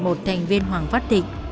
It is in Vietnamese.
một thành viên hoàng phát thịnh